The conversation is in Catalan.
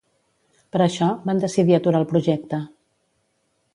Per això, van decidir aturar el projecte.